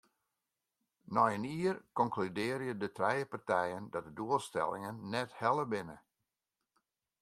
Nei in jier konkludearje de trije partijen dat de doelstellingen net helle binne.